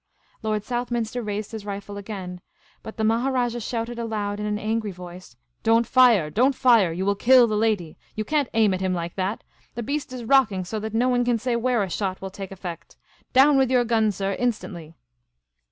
Lord Southminster raised his rifle again ; but the Maha rajah shouted aloud in an angry voice :" Don't fire ! don't fire ! You will kill the lady ! You can't aim at him like that. The beast is rocking so that no one can say where a shot will take effect. Down with your gun, sir, instantly